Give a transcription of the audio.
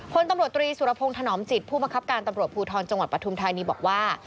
คนตำรวจตรีสุรพงศ์ถนอมจิตผู้บังคับการตำรวจภูทรจังหวัดปฐุมธานีบอกว่า